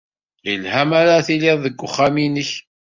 Yelha mi ara tiliḍ deg wexxam-nnek.